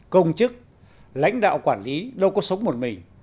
công chức lãnh đạo quản lý đâu có sống một mình